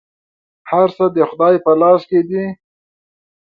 هر څه د خدای په لاس کي دي .